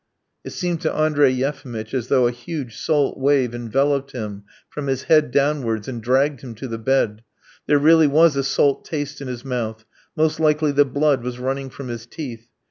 It seemed to Andrey Yefimitch as though a huge salt wave enveloped him from his head downwards and dragged him to the bed; there really was a salt taste in his mouth: most likely the blood was running from his teeth.